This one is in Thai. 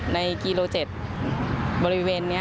ในกิโลเจ็ตบริเวณนี้ค่ะ